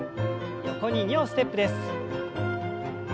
横に２歩ステップです。